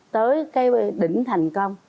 tới cái đỉnh thành công